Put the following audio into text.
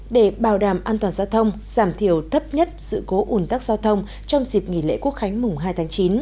để bảo đảm an toàn giao thông giảm thiểu thấp nhất sự cố ủn tắc giao thông trong dịp nghỉ lễ quốc khánh mùng hai tháng chín